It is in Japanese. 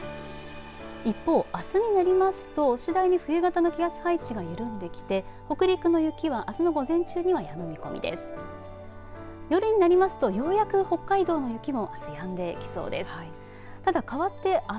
一方、あすになりますと次第に冬型の気圧配置が緩んできて北陸の雪はあすの午前中にはやむ見込みです。